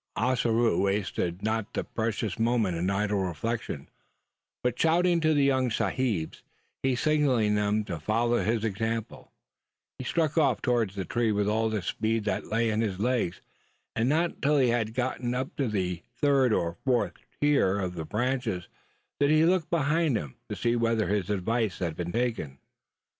Ossaroo wasted not the precious moments in idle reflection, but shouting to the young sahibs, and signalling them to follow his example, he struck off towards the tree with all the speed that lay in his legs; and not till he had got up to the third or fourth tier of branches did he look behind him, to see whether his advice had been taken.